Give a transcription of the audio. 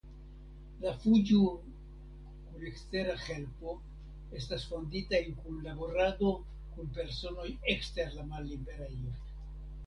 La fuĝo kun ekstera helpo estas fondita en kunlaborado kun personoj ekster la malliberejo.